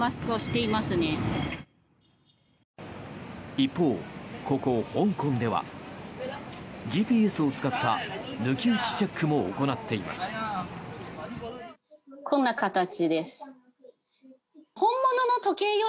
一方、ここ香港ではＧＰＳを使った抜き打ちチェックも行っています。